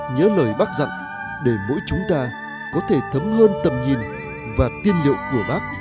nhớ lời bác dặn để mỗi chúng ta có thể thấm hơn tầm nhìn và tiên liệu của bác